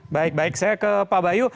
baik baik saya ke pak bayu